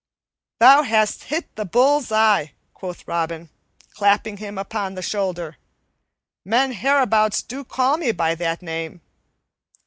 "Thou hast hit the bull's eye," quoth Robin, clapping him upon the shoulder. "Men hereabouts do call me by that name.